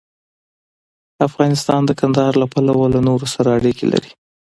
افغانستان د کندهار له پلوه له نورو سره اړیکې لري.